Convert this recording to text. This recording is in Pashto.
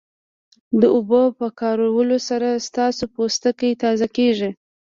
د اوبو په کارولو سره ستاسو پوستکی تازه کیږي